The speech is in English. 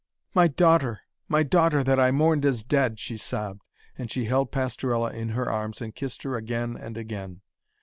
'My daughter, my daughter, that I mourned as dead!' she sobbed, as she held Pastorella in her arms and kissed her again and again.